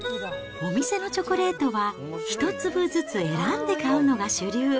お店のチョコレートは、１粒ずつ選んで買うのが主流。